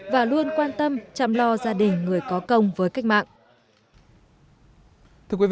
và luôn quan tâm chăm lo gia đình người có công với cách mạng